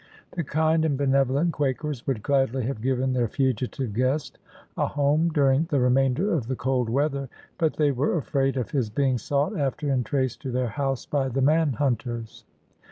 The kind and benevolent Quakers would gladly have given their fugitive guest a home during the remainder of the cold weather, but they were afraid of his being sought after and traced to their house by the man hunters.